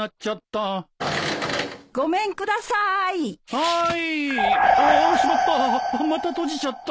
はい。